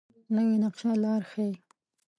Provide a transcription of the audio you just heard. نوې نقشه لاره ښيي